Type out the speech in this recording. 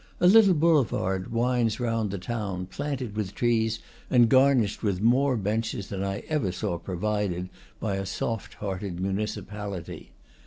A little boulevard winds round the town, planted with trees and garnished with more benches than I ever saw provided by a soft hearted municipality.